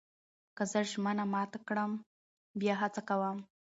که زه ژمنه مات کړم، بیا هڅه کوم.